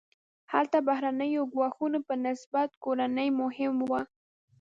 هلته بهرنیو ګواښونو په نسبت کورني مهم وو.